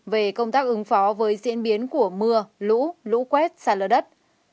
về công tác ứng phó với diễn biến của mưa lũ lũ quét sàn lở đất